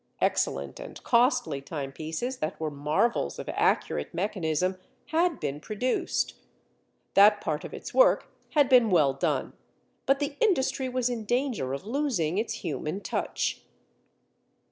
Excellent and costly timepieces that were marvels of accurate mechanism had been produced. That part of its work had been well done, but the industry was in danger of losing its human touch.